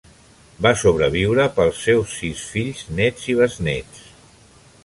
Va sobreviure pels seus sis fills, nets i besnets.